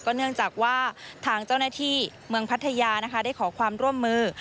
เนื่องจากว่าทางเจ้าหน้าที่เมืองพัทยานะคะได้ขอความร่วมมือ